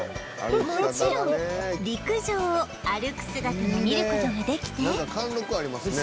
もちろん陸上を歩く姿も見る事ができてなんか貫禄ありますね